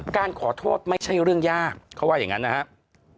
การขอโทษไม่ใช่เรื่องยากเขาว่าอย่างนั้นนะครับ